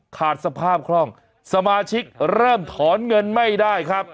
ขาดสภาพคล่องสมาชิกเริ่มถอนเงินไม่ได้ครับ